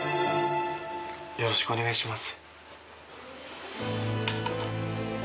よろしくお願いします。